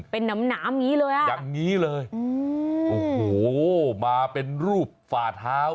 เป็นน้ำหนามอย่างงี้เลยอ่ะอย่างนี้เลยโอ้โหมาเป็นรูปฝ่าเท้า